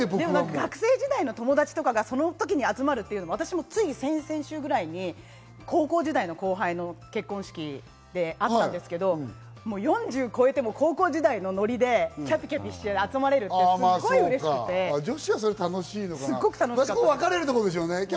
学生時代の友達とかがその時に集まるのは私もつい先々週ぐらいに高校時代の後輩の結婚式で会ったんですけど４０超えても高校時代のノリでキャピキャピして集まれるってすごい嬉しくて、楽しかったです。